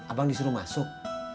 abang disuruh masuk